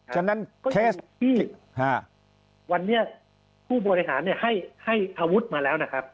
ก็อยู่ที่วันนี้ผู้บริหารให้อาวุธมาแล้วนะครับ